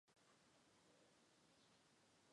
尤瓦尔迪县是美国德克萨斯州南部的一个县。